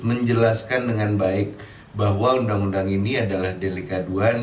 menjelaskan dengan baik bahwa undang undang ini adalah delikatuan